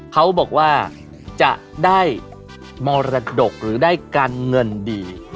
เขาบอกว่าจะได้มรดกหรือได้การเงินดี